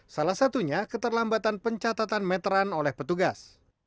salah satunya keterlambatan pencatatan meteran oleh petugas